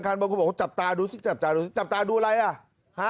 บางคนบอกว่าจับตาดูสิจับตาดูจับตาดูอะไรอ่ะฮะ